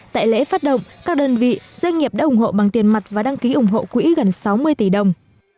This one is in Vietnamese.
tại lễ phát động các đơn vị doanh nghiệp đã ủng hộ bằng tiền mặt và đăng ký ủng hộ quỹ gần sáu mươi tỷ đồng